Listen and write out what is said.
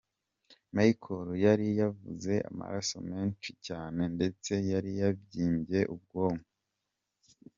Michael yari yavuye amaraso menshi cyane ndetse yari yabyimbye ubwonko.